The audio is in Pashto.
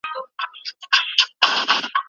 دا د قربانۍ غوښتنه کوي.